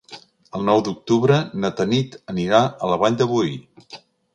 El nou d'octubre na Tanit anirà a la Vall de Boí.